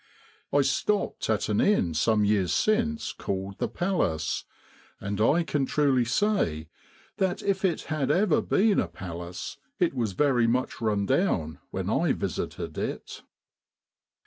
I stopped at an inn some years since called the Palace, and I can truly say that if it had ever been a palace it was very much run down when I visited it.